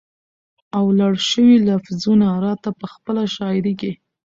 او لړ شوي لفظونه راته په خپله شاعرۍ کې